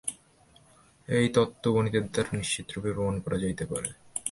এই তত্ত্ব গণিতের দ্বারা নিশ্চিতরূপে প্রমাণ করা যাইতে পারে।